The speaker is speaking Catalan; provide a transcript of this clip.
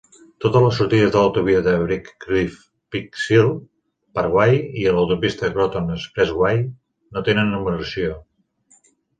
Totes les sortides de l'autovia Briarcliff-Peeksill Parkway i l'autopista Croton Expressway no tenen numeració.